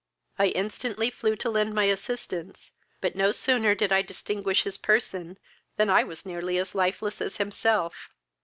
"I instantly flew to lend my assistance; but no sooner did I distinguish his person, than I was nearly as lifeless as himself.